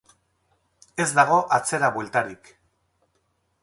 Ez dago atzera bueltarik.